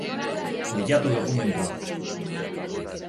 Bilatu dokumentua.